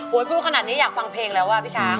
พูดขนาดนี้อยากฟังเพลงแล้วอ่ะพี่ช้าง